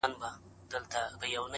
ته خو له هري ښيښې وځې و ښيښې ته ورځې _